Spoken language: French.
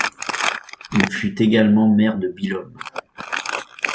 Il fut également maire de Billom.